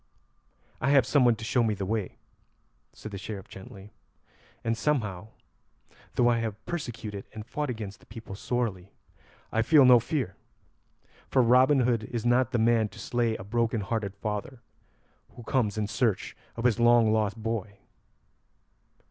"I have someone to show me the way," said the Sheriff gently; "and somehow, though I have persecuted and fought against the people sorely, I feel no fear, for Robin Hood is not the man to slay a broken hearted father who comes in search of his long lost boy."